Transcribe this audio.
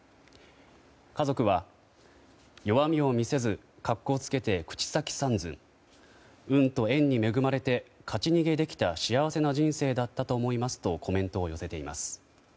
家族は、弱みを見せず格好つけて口先三寸運と縁に恵まれて勝ち逃げできた幸せな人生だったと思いますとコメントを寄せています。